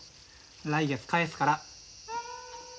来月返すから。